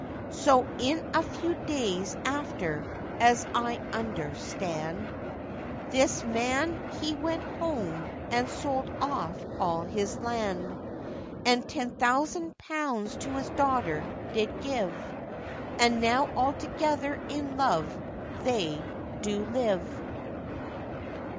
So in a few days after, as I understand, This man he went home, and sold off all his land, And ten thousand pounds to his daughter did give, And now altogether in love they do live.